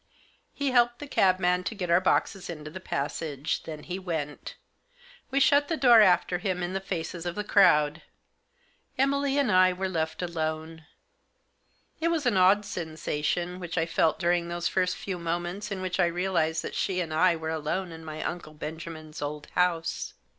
He helped the cabman to get our boxes into the passage. Then he went We shut the door after him in the faces of the crowd. Emily and I were left alone. It was an odd sensation which I felt during those first few moments in which I realised that she and I were alone in my Uncle Benjamin's old house.